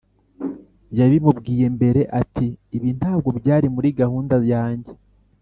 yabimubwiye mbere ati: "ibi ntabwo byari muri gahunda yanjye."